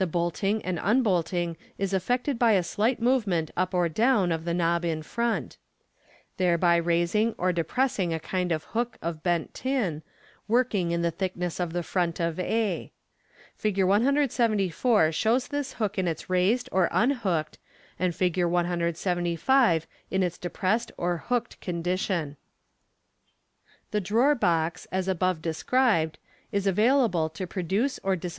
bolting and unbolting is effected by a slight movement up or down of the knob in front, thereby raising or depressing a kind of hook of bent tin, working in the thickness of the front of a. Fig 174 shows this hook in its raised or unhooked, and Fig. 175 in its depressed or hooked condition. The drawer box, as above described, is available to produce or dis 346 MODERN MAGIC.